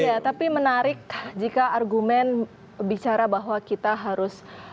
iya tapi menarik jika argumen bicara bahwa kita harus